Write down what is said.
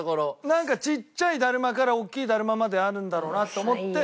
なんかちっちゃいだるまからおっきいだるままであるんだろうなと思って。